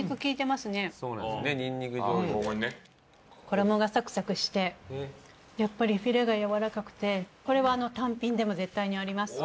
衣がサクサクしてやっぱりフィレがやわらかくてこれは単品でも絶対にあります。